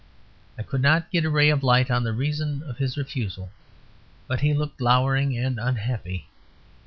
I could not get a ray of light on the reason of his refusal; but he looked lowering and unhappy.